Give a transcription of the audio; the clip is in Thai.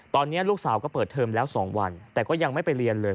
ตอนนี้ลูกสาวก็เปิดเทอมแล้ว๒วันแต่ก็ยังไม่ไปเรียนเลย